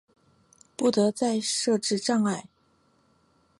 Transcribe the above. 不得再设置障碍